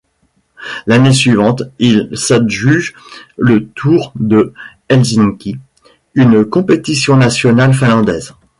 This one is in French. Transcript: L'année suivante, il s'adjuge le Tour de Helsinki, une compétition nationale finlandaise.